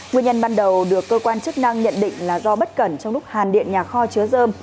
nguyên nhân ban đầu được cơ quan chức năng nhận định là do bất cẩn trong lúc hàn điện nhà kho chứa dơm